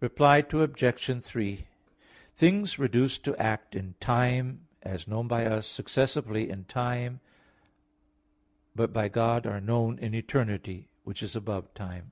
Reply Obj. 3: Things reduced to act in time, as known by us successively in time, but by God (are known) in eternity, which is above time.